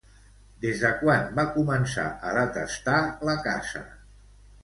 Des de quan va començar a detestar la caça?